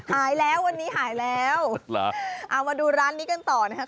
หายแล้ววันนี้หายแล้วเอามาดูร้านนี้กันต่อนะครับ